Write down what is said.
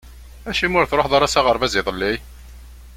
Acimi ur truḥeḍ ara s aɣerbaz iḍelli?